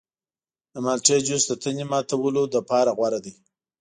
د مالټې جوس د تندې ماته کولو لپاره غوره دی.